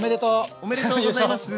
おめでとうございます！